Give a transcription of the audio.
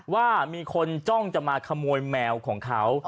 ว่ามีคนจ้องจะมาขโมยแมวของเขา